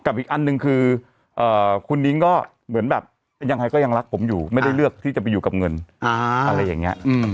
อีกอันหนึ่งคือคุณนิ้งก็เหมือนแบบยังไงก็ยังรักผมอยู่ไม่ได้เลือกที่จะไปอยู่กับเงินอะไรอย่างนี้